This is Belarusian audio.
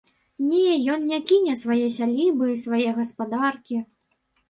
Не, ён не кіне свае сялібы, свае гаспадаркі.